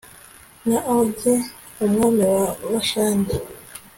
na ogi, umwami wa bashani